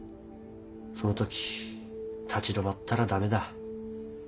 そのとき立ち止まったら駄目だ。